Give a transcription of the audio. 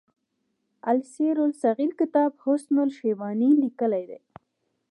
السير الصغير کتاب حسن الشيباني ليکی دی.